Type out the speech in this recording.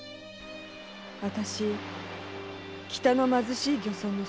あたし北の貧しい漁村の捨て子でした。